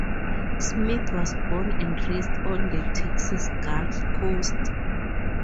Smith was born and raised on the Texas Gulf Coast.